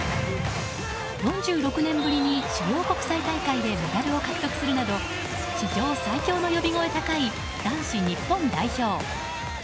４６年ぶりに主要国際大会でメダルを獲得するなど史上最強の呼び声高い男子日本代表。